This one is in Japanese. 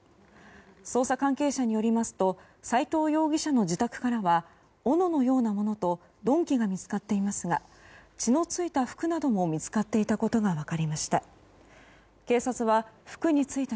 捜査関係者によりますと斎藤容疑者の自宅からはおののようなものと鈍器が見つかっていますが血の付いた服なども見つかっていたことが分かりました。